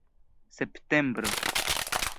septembro